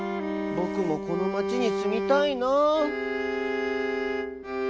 ぼくもこの町にすみたいなあ」。